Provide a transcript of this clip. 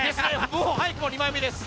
もう早くも２枚目です